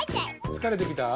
つかれてきた？